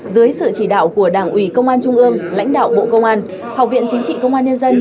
dưới sự chỉ đạo của đảng ủy công an trung ương lãnh đạo bộ công an học viện chính trị công an nhân dân